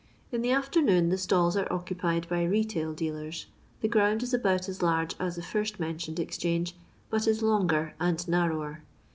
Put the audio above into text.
In the afternoon the stalls are occupied by retail dealers. The ground is about as large as the first mentioned exchange, but is longer and narrower.